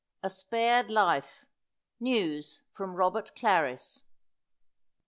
A SPARED LIFE. NEWS FROM ROBERT CLARRIS.